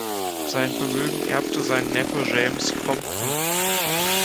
Sein Vermögen erbte sein Neffe James Compton.